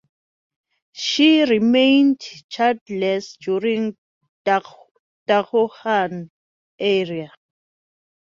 She remained childless during Daoguang era.